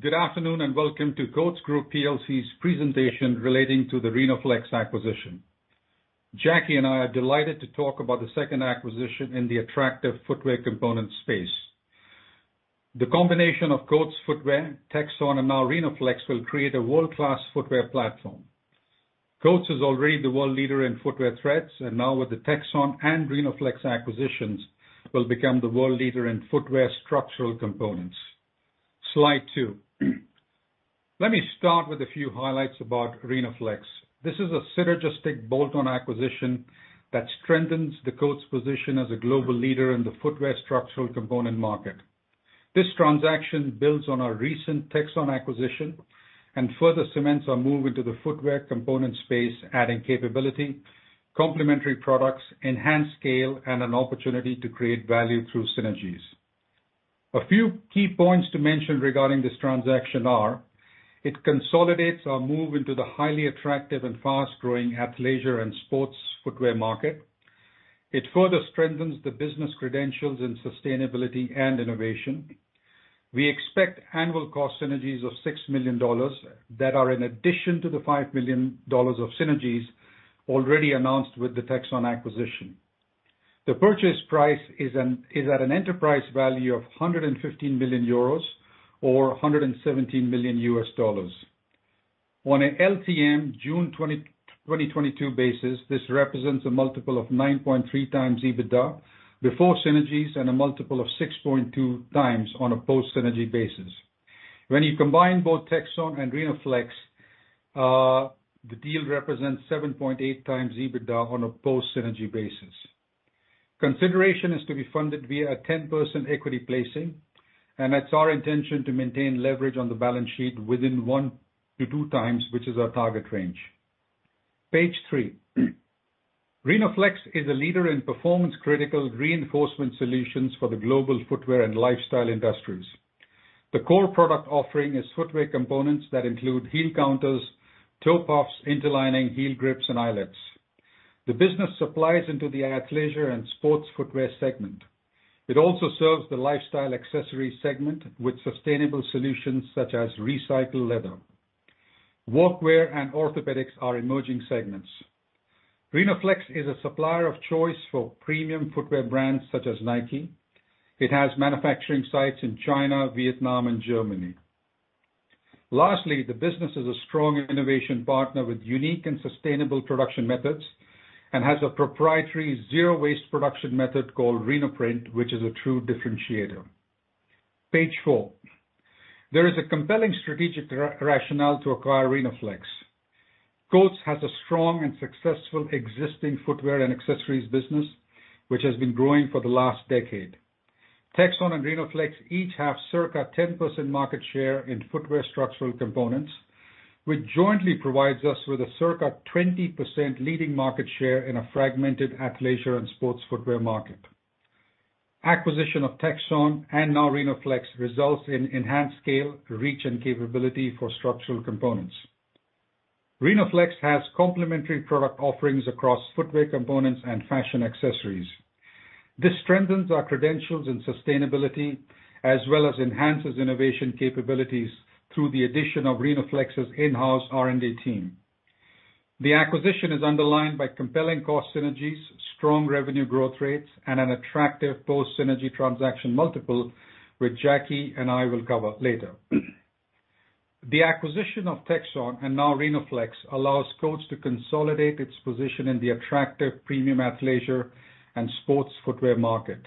Good afternoon, and welcome to Coats Group plc's presentation relating to the Rhenoflex acquisition. Jackie and I are delighted to talk about the second acquisition in the attractive footwear component space. The combination of Coats' footwear, Texon, and now Rhenoflex will create a world-class footwear platform. Coats is already the world leader in footwear threads, and now with the Texon and Rhenoflex acquisitions, will become the world leader in footwear structural components. Slide two. Let me start with a few highlights about Rhenoflex. This is a synergistic bolt-on acquisition that strengthens the Coats' position as a global leader in the footwear structural component market. This transaction builds on our recent Texon acquisition and further cements our move into the footwear component space, adding capability, complementary products, enhanced scale, and an opportunity to create value through synergies. A few key points to mention regarding this transaction are. It consolidates our move into the highly attractive and fast-growing athleisure and sports footwear market. It further strengthens the business credentials in sustainability and innovation. We expect annual cost synergies of $6 million that are in addition to the $5 million of synergies already announced with the Texon acquisition. The purchase price is at an enterprise value of 115 million euros or $117 million. On an LTM June 2022 basis, this represents a multiple of 9.3x EBITDA before synergies and a multiple of 6.2x on a post-synergy basis. When you combine both Texon and Rhenoflex, the deal represents 7.8x EBITDA on a post-synergy basis. Consideration is to be funded via a 10% equity placing, and it's our intention to maintain leverage on the balance sheet within 1x-2x, which is our target range. Page three. Rhenoflex is a leader in performance-critical reinforcement solutions for the global footwear and lifestyle industries. The core product offering is footwear components that include heel counters, toe puffs, interlinings, heel grips, and eyelets. The business supplies into the athleisure and sports footwear segment. It also serves the lifestyle accessories segment with sustainable solutions such as recycled leather. Workwear and orthopedics are emerging segments. Rhenoflex is a supplier of choice for premium footwear brands such as Nike. It has manufacturing sites in China, Vietnam, and Germany. Lastly, the business is a strong innovation partner with unique and sustainable production methods and has a proprietary zero-waste production method called Rhenoprint, which is a true differentiator. Page four. There is a compelling strategic rationale to acquire Rhenoflex. Coats has a strong and successful existing footwear and accessories business, which has been growing for the last decade. Texon and Rhenoflex each have circa 10% market share in footwear structural components, which jointly provides us with a circa 20% leading market share in a fragmented athleisure and sports footwear market. Acquisition of Texon and now Rhenoflex results in enhanced scale, reach, and capability for structural components. Rhenoflex has complementary product offerings across footwear components and fashion accessories. This strengthens our credentials in sustainability as well as enhances innovation capabilities through the addition of Rhenoflex's in-house R&D team. The acquisition is underlined by compelling cost synergies, strong revenue growth rates, and an attractive post-synergy transaction multiple, which Jackie and I will cover later. The acquisition of Texon and now Rhenoflex allows Coats to consolidate its position in the attractive premium athleisure and sports footwear market.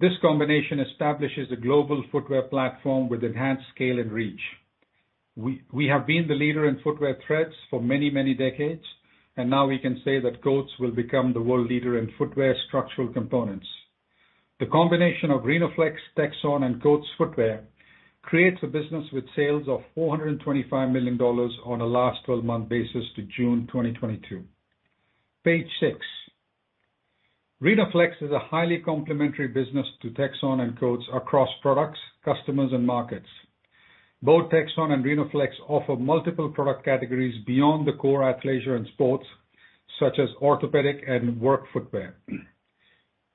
This combination establishes a global footwear platform with enhanced scale and reach. We have been the leader in footwear threads for many, many decades, and now we can say that Coats will become the world leader in footwear structural components. The combination of Rhenoflex, Texon, and Coats' footwear creates a business with sales of $425 million on a last twelve-month basis to June 2022. Page six. Rhenoflex is a highly complementary business to Texon and Coats across products, customers, and markets. Both Texon and Rhenoflex offer multiple product categories beyond the core athleisure and sports, such as orthopedic and work footwear.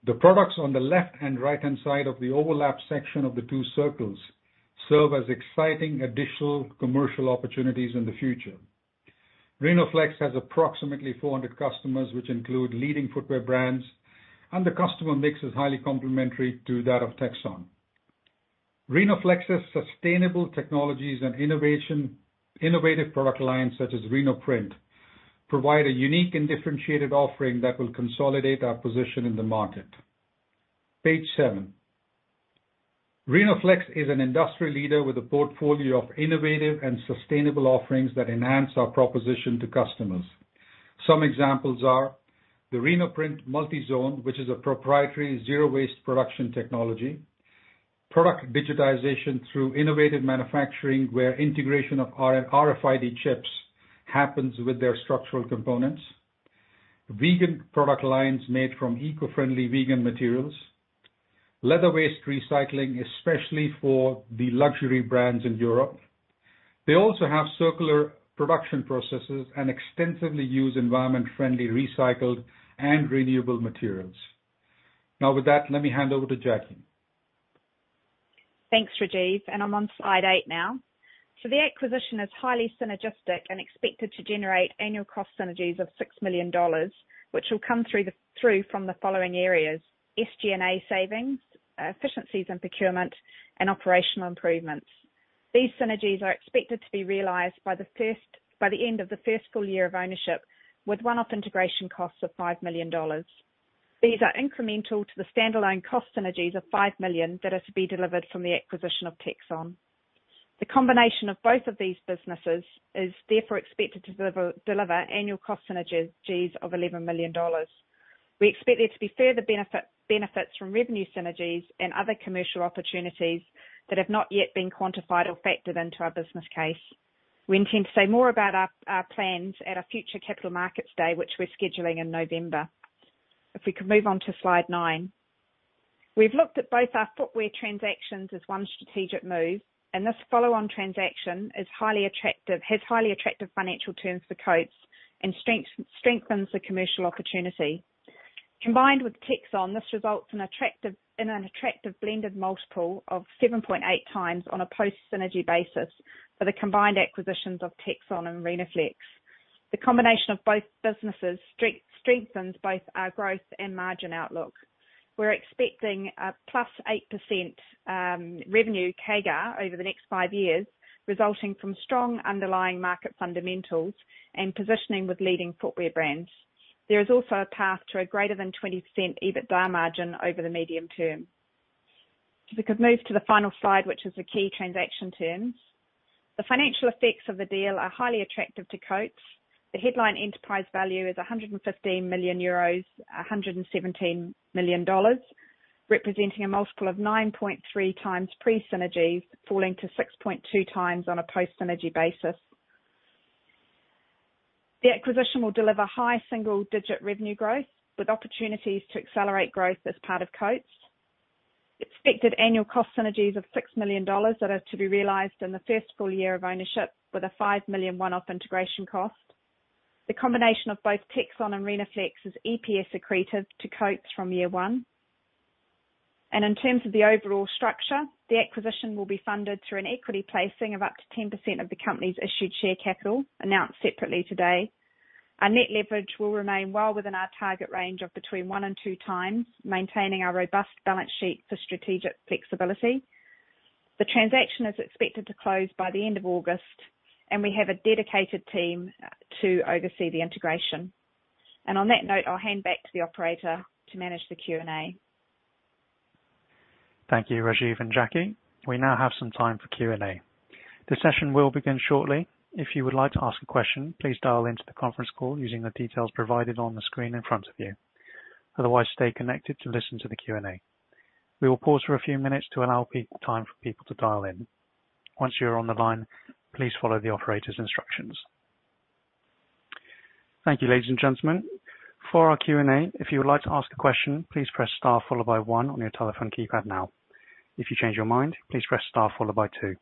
The products on the left and right-hand side of the overlap section of the two circles serve as exciting additional commercial opportunities in the future. Rhenoflex has approximately 400 customers, which include leading footwear brands, and the customer mix is highly complementary to that of Texon. Rhenoflex's sustainable technologies and innovation, innovative product lines such as Rhenoprint provide a unique and differentiated offering that will consolidate our position in the market. Page seven. Rhenoflex is an industry leader with a portfolio of innovative and sustainable offerings that enhance our proposition to customers. Some examples are the Rhenoprint Multi-Zone, which is a proprietary zero-waste production technology. Product digitization through innovative manufacturing where integration of RFID chips happens with their structural components. Vegan product lines made from eco-friendly vegan materials. Leather waste recycling, especially for the luxury brands in Europe. They also have circular production processes and extensively use environmentally friendly recycled and renewable materials. Now with that, let me hand over to Jackie. Thanks, Rajiv. I'm on slide 8 now. The acquisition is highly synergistic and expected to generate annual cost synergies of $6 million, which will come through from the following areas, SG&A savings, efficiencies in procurement, and operational improvements. These synergies are expected to be realized by the end of the first full year of ownership, with one-off integration costs of $5 million. These are incremental to the standalone cost synergies of $5 million that are to be delivered from the acquisition of Texon. The combination of both of these businesses is therefore expected to deliver annual cost synergies of $11 million. We expect there to be further benefits from revenue synergies and other commercial opportunities that have not yet been quantified or factored into our business case. We intend to say more about our plans at our future capital markets day, which we're scheduling in November. If we could move on to slide 9. We've looked at both our footwear transactions as one strategic move, and this follow-on transaction is highly attractive, has highly attractive financial terms for Coats and strengthens the commercial opportunity. Combined with Texon, this results in an attractive blended multiple of 7.8x on a post-synergy basis for the combined acquisitions of Texon and Rhenoflex. The combination of both businesses strengthens both our growth and margin outlook. We're expecting +8% revenue CAGR over the next 5 years, resulting from strong underlying market fundamentals and positioning with leading footwear brands. There is also a path to a greater than 20% EBITDA margin over the medium term. If we could move to the final slide, which is the key transaction terms. The financial effects of the deal are highly attractive to Coats. The headline enterprise value is 115 million euros, $117 million, representing a multiple of 9.3x pre-synergies, falling to 6.2x on a post-synergy basis. The acquisition will deliver high single-digit revenue growth, with opportunities to accelerate growth as part of Coats. Expected annual cost synergies of $6 million that are to be realized in the first full year of ownership with a $5 million one-off integration cost. The combination of both Texon and Rhenoflex is EPS accretive to Coats from year one. In terms of the overall structure, the acquisition will be funded through an equity placing of up to 10% of the company's issued share capital, announced separately today. Our net leverage will remain well within our target range of between 1x and 2x, maintaining our robust balance sheet for strategic flexibility. The transaction is expected to close by the end of August, and we have a dedicated team to oversee the integration. On that note, I'll hand back to the operator to manage the Q&A. Thank you, Rajiv and Jackie. We now have some time for Q&A. The session will begin shortly. If you would like to ask a question, please dial into the conference call using the details provided on the screen in front of you. Otherwise, stay connected to listen to the Q&A. We will pause for a few minutes to allow time for people to dial in. Once you're on the line, please follow the operator's instructions. Thank you, ladies and gentlemen. For our Q&A, if you would like to ask a question, please press star followed by one on your telephone keypad now. If you change your mind, please press star followed by two.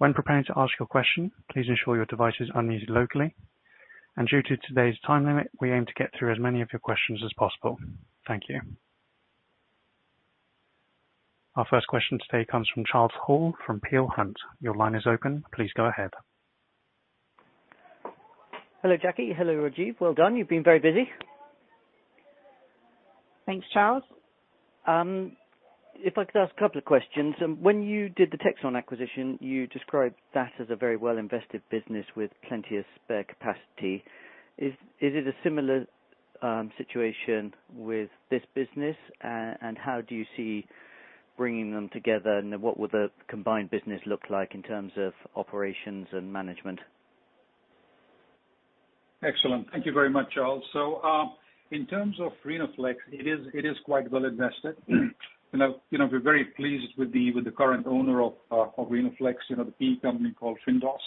When preparing to ask your question, please ensure your device is unmuted locally. Due to today's time limit, we aim to get through as many of your questions as possible. Thank you. Our first question today comes from Charles Hall from Peel Hunt. Your line is open. Please go ahead. Hello, Jackie. Hello, Rajiv. Well done. You've been very busy. Thanks, Charles. If I could ask a couple of questions. When you did the Texon acquisition, you described that as a very well-invested business with plenty of spare capacity. Is it a similar situation with this business? And how do you see bringing them together and what would the combined business look like in terms of operations and management? Excellent. Thank you very much, Charles. In terms of Rhenoflex, it is quite well invested. You know, we're very pleased with the current owner of Rhenoflex, you know, the PE company called Findos.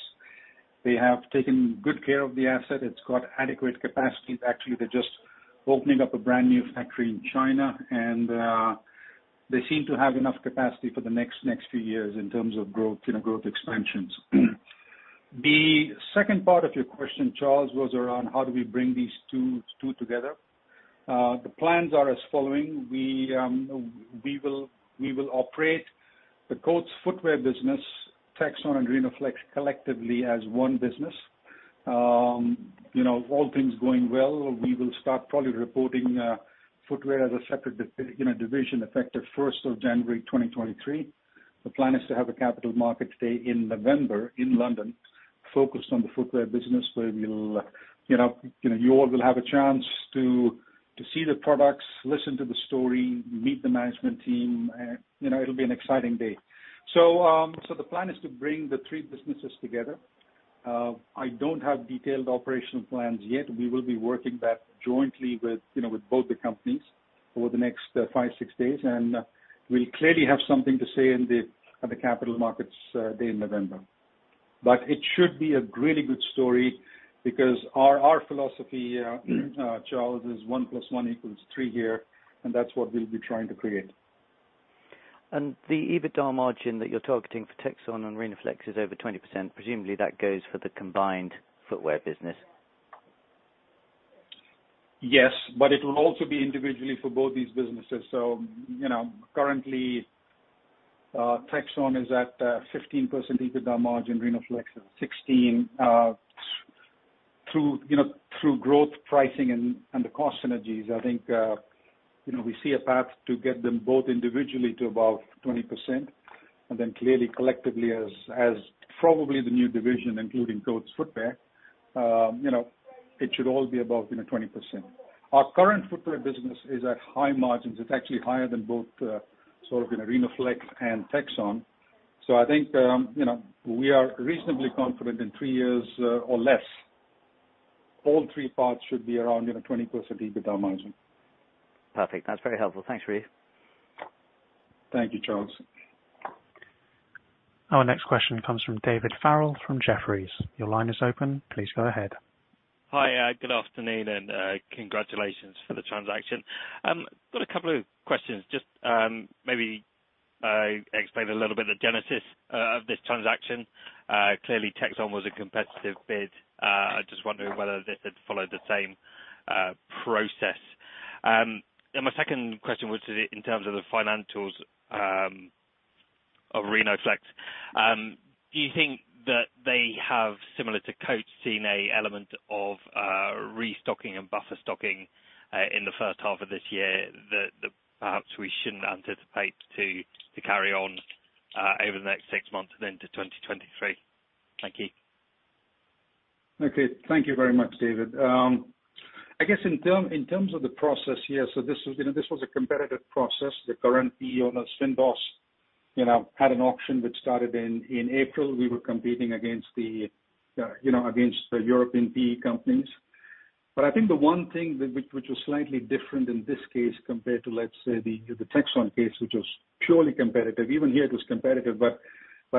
They have taken good care of the asset. It's got adequate capacity. Actually, they're just opening up a brand-new factory in China, and they seem to have enough capacity for the next few years in terms of growth, you know, growth expansions. The second part of your question, Charles, was around how do we bring these two together. The plans are as follows. We will operate the Coats' footwear business, Texon and Rhenoflex, collectively as one business. You know, all things going well, we will start probably reporting footwear as a separate division effective first of January 2023. The plan is to have a capital markets day in November in London focused on the footwear business, where we'll, you know, you all will have a chance to see the products, listen to the story, meet the management team, you know, it'll be an exciting day. The plan is to bring the three businesses together. I don't have detailed operational plans yet. We will be working that jointly with, you know, with both the companies over the next five, six days. We'll clearly have something to say at the capital markets day in November. It should be a really good story because our philosophy, Charles, is one plus one equals three here, and that's what we'll be trying to create. The EBITDA margin that you're targeting for Texon and Rhenoflex is over 20%. Presumably, that goes for the combined footwear business. Yes, it will also be individually for both these businesses. You know, currently, Texon is at 15% EBITDA margin, Rhenoflex is 16%. You know, through growth pricing and the cost synergies, I think, you know, we see a path to get them both individually to about 20%. Clearly, collectively as probably the new division, including Coats' footwear, you know, it should all be above, you know, 20%. Our current footwear business is at high margins. It's actually higher than both, sort of, you know, Rhenoflex and Texon. I think, you know, we are reasonably confident in three years or less, all three parts should be around, you know, 20% EBITDA margin. Perfect. That's very helpful. Thanks, Rajiv. Thank you, Charles. Our next question comes from David Farrell from Jefferies. Your line is open. Please go ahead. Hi. Good afternoon, and congratulations for the transaction. Got a couple of questions. Just maybe explain a little bit the genesis of this transaction. Clearly, Texon was a competitive bid. I'm just wondering whether this had followed the same process. My second question was in terms of the financials of Rhenoflex. Do you think that they have, similar to Coats, seen an element of restocking and buffer stocking in the first half of this year, that perhaps we shouldn't anticipate to carry on over the next six months and then to 2023? Thank you. Okay. Thank you very much, David. I guess in terms of the process, yes, this was a competitive process. The current PE owner, Findos, had an auction which started in April. We were competing against the European PE companies. I think the one thing which was slightly different in this case compared to, let's say, the Texon case, which was purely competitive. Even here it was competitive, but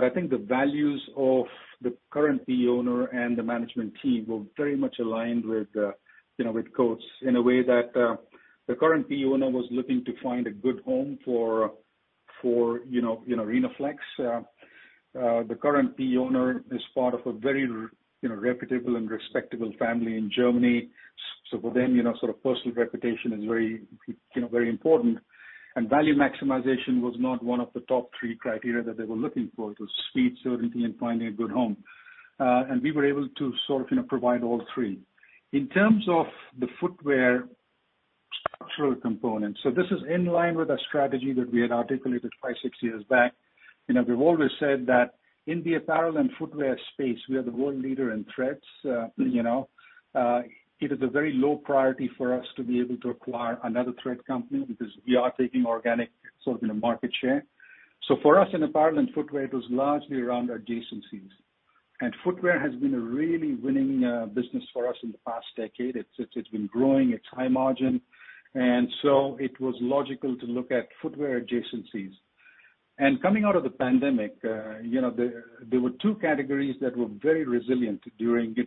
I think the values of the current PE owner and the management team were very much aligned with Coats in a way that the current PE owner was looking to find a good home for Rhenoflex. The current PE owner is part of a very reputable and respectable family in Germany. For them, you know, sort of personal reputation is very, you know, very important. Value maximization was not one of the top three criteria that they were looking for. It was speed, certainty, and finding a good home. We were able to sort of, you know, provide all three. In terms of the footwear structural component, this is in line with a strategy that we had articulated five, six years back. You know, we've always said that in the apparel and footwear space, we are the world leader in threads. It is a very low priority for us to be able to acquire another thread company because we are taking organic market share. For us in apparel and footwear, it was largely around adjacencies. Footwear has been a really winning business for us in the past decade. It's been growing, it's high margin. It was logical to look at footwear adjacencies. Coming out of the pandemic, you know, there were two categories that were very resilient during it,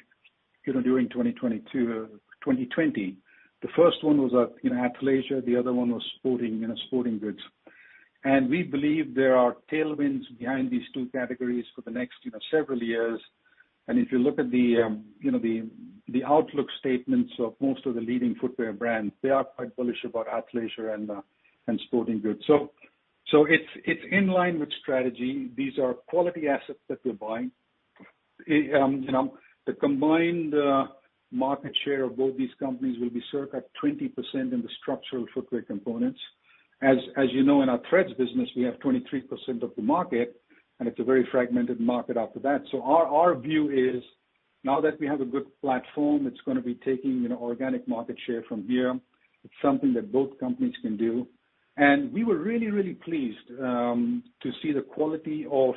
you know, during 2020. The first one was, you know, athleisure, the other one was sporting, you know, sporting goods. We believe there are tailwinds behind these two categories for the next, you know, several years. If you look at the outlook statements of most of the leading footwear brands, they are quite bullish about athleisure and sporting goods. It's in line with strategy. These are quality assets that we're buying. You know, the combined market share of both these companies will be circa 20% in the structural footwear components. As you know, in our threads business, we have 23% of the market, and it's a very fragmented market after that. Our view is now that we have a good platform, it's gonna be taking, you know, organic market share from here. It's something that both companies can do. We were really, really pleased to see the quality of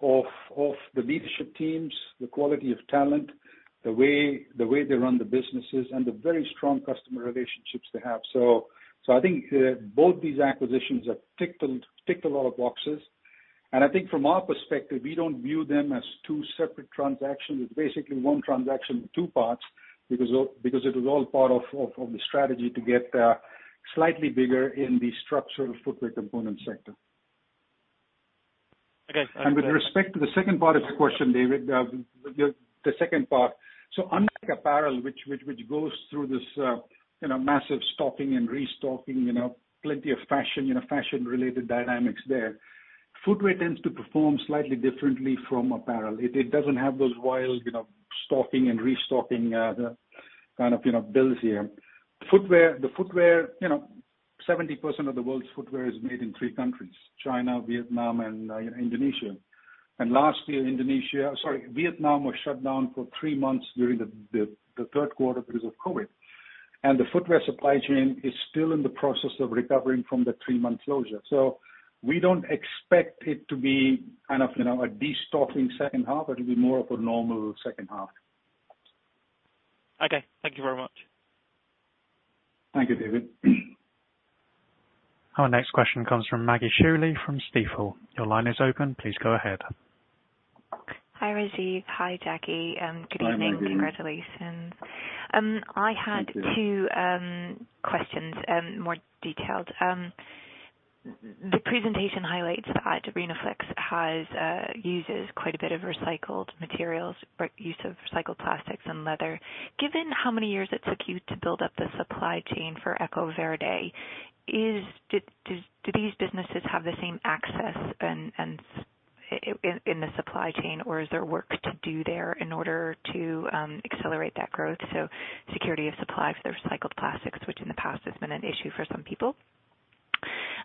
the leadership teams, the quality of talent, the way they run the businesses, and the very strong customer relationships they have. I think both these acquisitions have ticked a lot of boxes. I think from our perspective, we don't view them as two separate transactions. It's basically one transaction, two parts, because it was all part of the strategy to get slightly bigger in the structural footwear component sector. Okay. With respect to the second part of the question, David, the second part. Unlike apparel, which goes through this, you know, massive stocking and restocking, you know, plenty of fashion, you know, fashion related dynamics there. Footwear tends to perform slightly differently from apparel. It doesn't have those wild, you know, stocking and restocking, kind of, you know, builds here. Footwear, you know, 70% of the world's footwear is made in three countries, China, Vietnam, and Indonesia. Last year, Vietnam was shut down for three months during the third quarter because of COVID. The footwear supply chain is still in the process of recovering from the three-month closure. We don't expect it to be kind of, you know, a destocking second half. It'll be more of a normal second half. Okay. Thank you very much. Thank you, David. Our next question comes from Maggie Shirley from Stifel. Your line is open. Please go ahead. Hi, Rajiv. Hi, Jackie. Good evening. Hi, Maggie. Congratulations. Thank you. Two questions, more detailed. The presentation highlights that Rhenoflex uses quite a bit of recycled materials, right? Use of recycled plastics and leather. Given how many years it took you to build up the supply chain for EcoVerde, do these businesses have the same access and security in the supply chain, or is there work to do there in order to accelerate that growth, so security of supply for the recycled plastics, which in the past has been an issue for some people?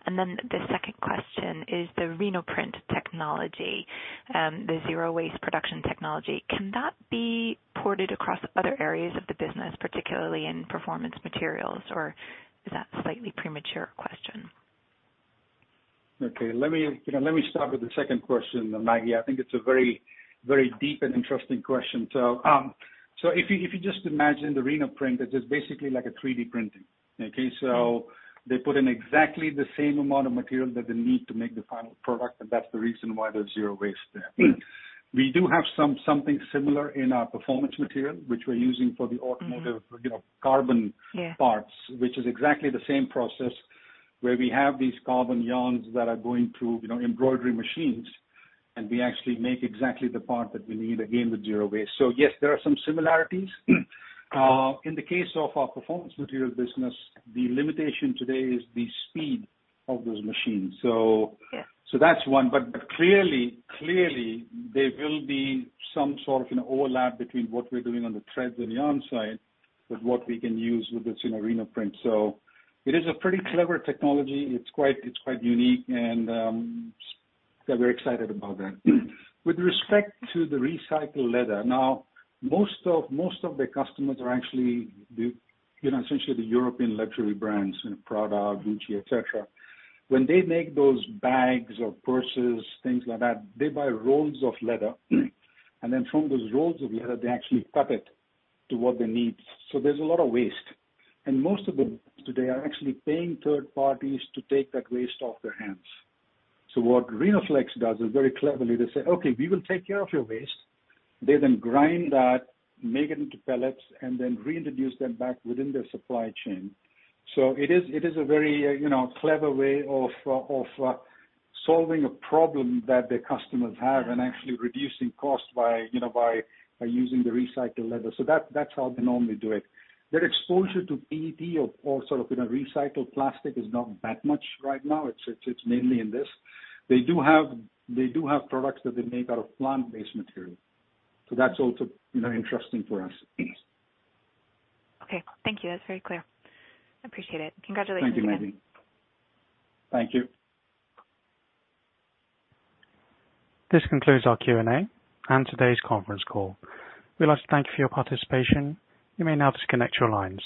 The second question is the Rhenoprint technology, the zero-waste production technology. Can that be ported across other areas of the business, particularly in performance materials, or is that a slightly premature question? Okay. Let me, you know, let me start with the second question, Maggie. I think it's a very, very deep and interesting question. If you just imagine the Rhenoprint as just basically like a 3D printing, okay? They put in exactly the same amount of material that they need to make the final product, and that's the reason why there's zero waste there. We do have something similar in our Performance Material, which we're using for the automotive, you know, carbon parts, which is exactly the same process, where we have these carbon yarns that are going through, you know, embroidery machines, and we actually make exactly the part that we need, again, with zero waste. Yes, there are some similarities. In the case of our Performance Material business, the limitation today is the speed of those machines. So, that's one. Clearly there will be some sort of an overlap between what we're doing on the threads and yarn side with what we can use with this, you know, Rhenoprint. It is a pretty clever technology. It's quite unique, and yeah, we're excited about that. With respect to the recycled leather, now most of the customers are actually you know essentially the European luxury brands, you know, Prada, Gucci, et cetera. When they make those bags or purses, things like that, they buy rolls of leather, and then from those rolls of leather, they actually cut it to what they need. There's a lot of waste. Most of them today are actually paying third parties to take that waste off their hands. What Rhenoflex does is very cleverly they say, "Okay, we will take care of your waste." They then grind that, make it into pellets, and then reintroduce them back within their supply chain. It is a very, you know, clever way of solving a problem that the customers have and actually reducing cost by, you know, by using the recycled leather. That, that's how they normally do it. Their exposure to PET or sort of, you know, recycled plastic is not that much right now. It's mainly in this. They do have products that they make out of plant-based material. That's also, you know, interesting for us. Okay. Thank you. That's very clear. I appreciate it. Congratulations. Thank you, Maggie. Thank you. This concludes our Q&A and today's conference call. We'd like to thank you for your participation. You may now disconnect your lines.